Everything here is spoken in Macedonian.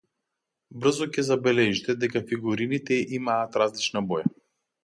Брзо ќе забележите дека фигурините имаат различна боја.